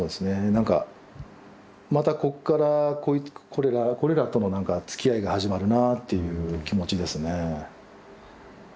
なんかまたこっからこれがこれらとのなんかつきあいが始まるなぁっていう気持ちですね。